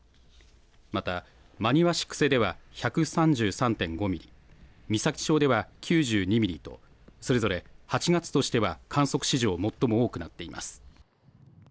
また、真庭市久世では１３３．５ミリ、美咲町では９２ミリと、それぞれ８月としては観測史上最も多くなっています。